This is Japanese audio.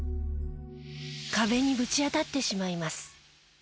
壁にぶち当たってしまいます。